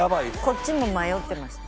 こっちも迷ってました。